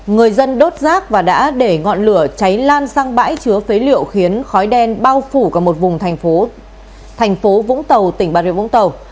người dân đốt rác và đã để ngọn lửa cháy lan sang bãi chứa phế liệu khiến khói đen bao phủ cả một vùng thành phố vũng tàu tỉnh bà rịa vũng tàu